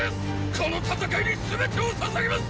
この戦いに全てを捧げます